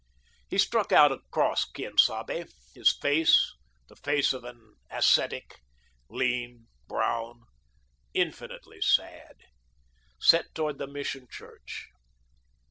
He struck out across Quien Sabe, his face, the face of an ascetic, lean, brown, infinitely sad, set toward the Mission church.